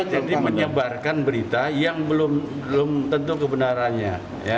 jadi menyebarkan berita yang belum tentu kebenarannya